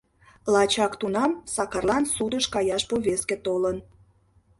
Лачак тунам Сакарлан судыш каяш повестке толын.